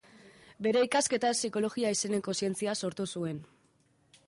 Bere ikasketak psikologia izeneko zientzia sortu zuen.